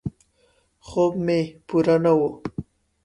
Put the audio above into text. خوب مې پوره نه و.